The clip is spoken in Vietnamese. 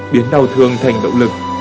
biến đau thương thành động lực